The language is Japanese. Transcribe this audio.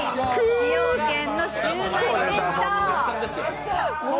崎陽軒のシウマイ弁当。